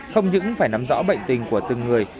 không những phải nắm rõ bệnh tình của từng người